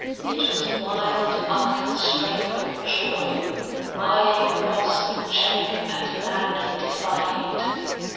It was wild unconstrainable joy, eying a possible check and madly defying it.